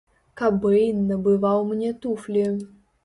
Кабэйн набываў мне туфлі.